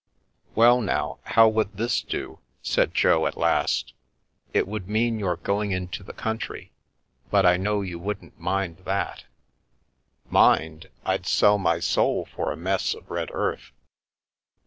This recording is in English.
"Well, now, how would this do?" said Jo at last. " It would mean your going into the country, but I know you wouldn't mind that." " Mind ? I'd sell my soul for a mess of red earth."